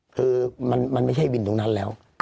คือมันไม่ใช่บินตรงนั้นแล้ว